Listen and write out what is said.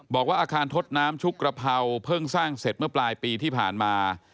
บอกว่าอาคารทดน้ำชุกกระเภาเพิ่งสร้างเสร็จเมื่อปลายปีที่ผ่านมา